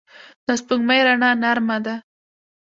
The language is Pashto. د سپوږمۍ رڼا نرمه ده